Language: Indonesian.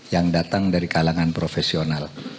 yang datang dari kalangan profesional